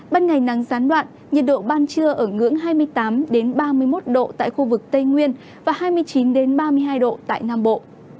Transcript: ban ngày nắng gián đoạn nhiệt độ ban trưa ở ngưỡng hai mươi tám ba mươi một độ tại khu vực tây nguyên và hai mươi chín ba mươi hai độ tại nam bộ